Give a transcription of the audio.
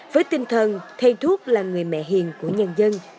với tinh thần thầy thuốc là người mẹ hiền của nhân dân